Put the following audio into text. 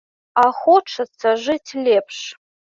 А хочацца жыць лепш.